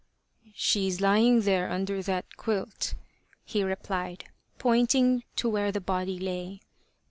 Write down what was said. " She is lying there under that quilt," he replied, pointing to where the body lay.